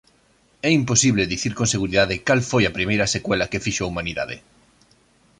É imposible dicir con seguridade cal foi a primeira secuela que fixo a humanidade.